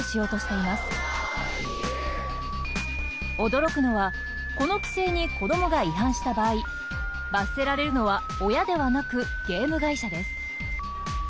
驚くのはこの規制に子供が違反した場合罰せられるのは親ではなくゲーム会社です。